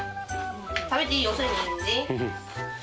食べていいよ。